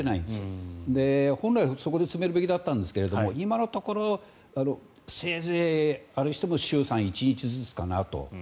本来そこで詰めるべきだったんですが今のところせいぜい衆参１日ずつかなと。